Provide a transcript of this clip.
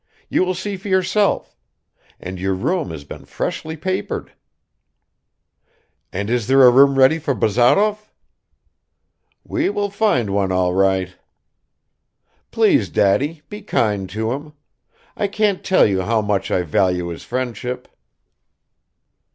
"You will see for yourself. And your room has been freshly papered." "And is there a room ready for Bazarov?" "We will find one all right." "Please, Daddy, be kind to him. I can't tell you how much I value his friendship."